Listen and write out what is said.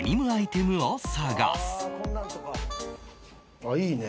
ああいいね！